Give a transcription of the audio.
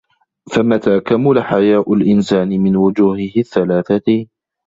فَمَتَى كَمُلَ حَيَاءُ الْإِنْسَانِ مِنْ وُجُوهِهِ الثَّلَاثَةِ